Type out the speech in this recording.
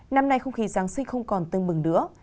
năm nay không khí giáng sinh không còn tương bừng nữa